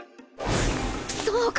そうか！